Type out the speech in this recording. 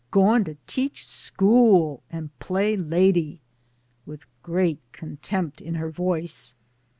Going to teach school and play lady," with great contempt in her voice.